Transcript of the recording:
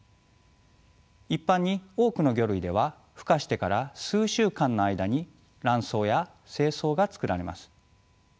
一般に多くの魚類ではふ化してから数週間の間に卵巣や精巣が作られます。